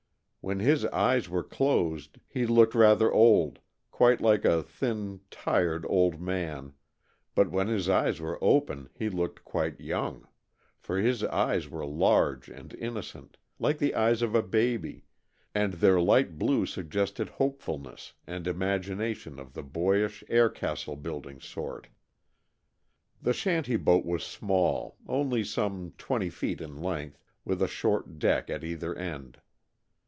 When his eyes were closed he looked rather old quite like a thin, tired old man but when his eyes were open he looked quite young, for his eyes were large and innocent, like the eyes of a baby, and their light blue suggested hopefulness and imagination of the boyish, aircastle building sort. The shanty boat was small, only some twenty feet in length, with a short deck at either end.